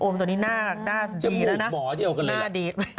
โอมตัวนี้หน้าดีเลยนะนะหน้าดีถ้าว่านั่นกินอย่าง